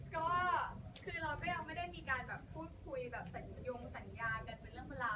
ก็คือเราก็ยังไม่ได้มีการแบบพูดคุยแบบสัญญงสัญญากันเป็นเรื่องเป็นราว